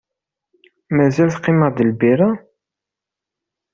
Mazal teqqim-aɣ-d lbira?